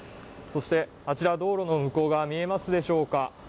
あちら、道路の向こう側見えますでしょうか。